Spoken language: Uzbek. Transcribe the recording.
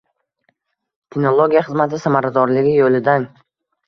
Kinologiya xizmati samaradorligi yo‘lidang